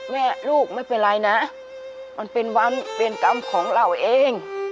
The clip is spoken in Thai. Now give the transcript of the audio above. แม่ลูกไม่เป็นไรนะมันเป็นวันเวรกรรมของเราเอง